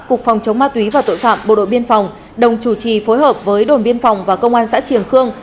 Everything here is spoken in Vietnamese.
cục phòng chống ma túy và tội phạm bộ đội biên phòng đồng chủ trì phối hợp với đồn biên phòng và công an xã triềng khương